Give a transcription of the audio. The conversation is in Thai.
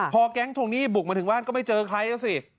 พอแก๊งทวงหนี้บุกมาถึงบ้านก็ไม่เจอใครแล้วสิ